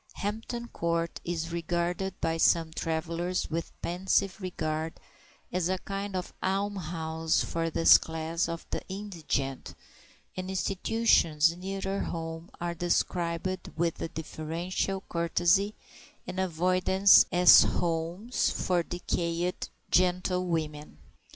Hampton Court is regarded by some travellers with pensive regard as a kind of almshouse for this class of the indigent, and institutions nearer home are described with a deferential courtesy and avoidance as homes for decayed gentlewomen.